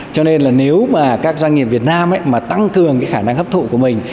cho nên nếu các doanh nghiệp việt nam tăng cường khả năng hấp thụ của mình